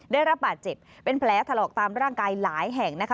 ได้รับบาดเจ็บเป็นแผลถลอกตามร่างกายหลายแห่งนะคะ